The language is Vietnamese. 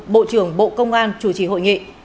bộ trưởng bộ công an chủ trì hội nghị